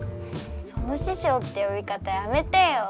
その「師匠」ってよびかたやめてよ。